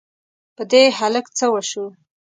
په دې هلک څه وشوو؟!